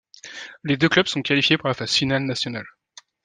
Les deux clubs sont qualifiés pour la phase finale nationale.